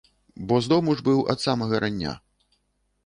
Бо з дому ж быў ад самага рання.